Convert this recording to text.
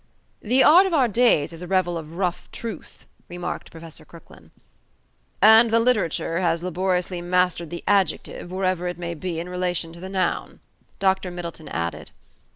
"The Art of our days is a revel of rough truth," remarked Professor Crooklyn. "And the literature has laboriously mastered the adjective, wherever it may be in relation to the noun," Dr. Middleton added.